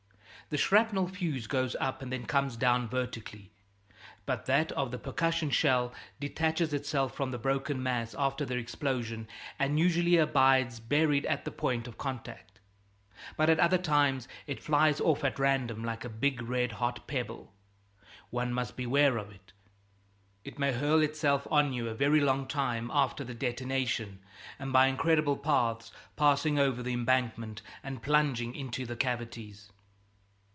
The shrapnel fuse goes up and then comes down vertically; but that of the percussion shell detaches itself from the broken mass after the explosion and usually abides buried at the point of contact, but at other times it flies off at random like a big red hot pebble. One must beware of it. It may hurl itself on you a very long time after the detonation and by incredible paths, passing over the embankment and plunging into the cavities.